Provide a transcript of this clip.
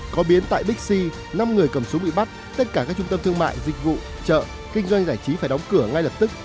có biến tại bixi năm người cầm súng bị bắt tất cả các trung tâm thương mại dịch vụ chợ kinh doanh giải trí phải đóng cửa ngay lập tức